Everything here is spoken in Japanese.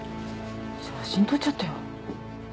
写真撮っちゃったよ。